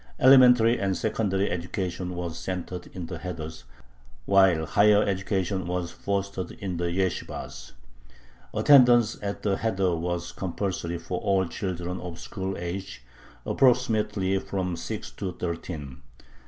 Elementary and secondary education was centered in the heders, while higher education was fostered in the yeshibahs. Attendance at the heder was compulsory for all children of school age, approximately from six to thirteen.